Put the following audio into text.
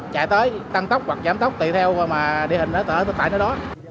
chạy tới tăng tốc hoặc giảm tốc tùy theo mà địa hình nó tại nơi đó